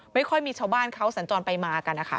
ไม่ค่อยมีชาวบ้านเขาสัญจรไปมากันนะคะ